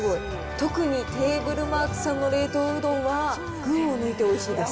特にテーブルマークさんの冷凍うどんは、群を抜いておいしいです。